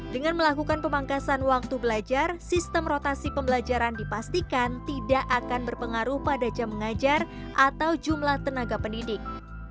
dengan melakukan pemangkasan waktu belajar sistem rotasi pembelajaran dipastikan tidak akan berpengaruh pada jam mengajar atau jumlah tenaga pendidik